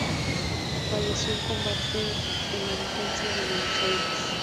Falleció en combate en la Defensa de Buenos Aires.